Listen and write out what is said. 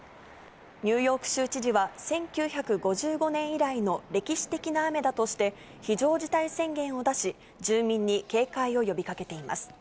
ニューヨーク州知事は、１９５５年以来の歴史的な雨だとして、非常事態宣言を出し、住民に警戒を呼びかけています。